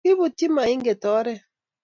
Kiibutch moinget oret